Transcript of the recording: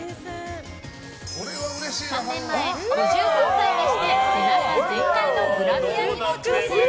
３年前、５３歳にして背中全開のグラビアにも挑戦。